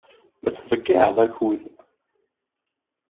La tettḍeyyiɛed akud.